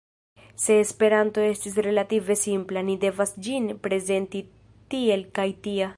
Se Esperanto estas relative simpla, ni devas ĝin prezenti tiel kaj tia.